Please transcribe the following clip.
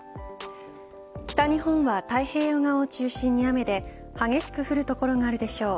北日本は太平洋側を中心に雨で激しく降る所があるでしょう。